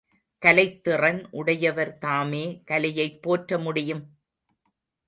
கலைத்திறன் உடையவர்தாமே கலையைப் போற்ற முடியும்?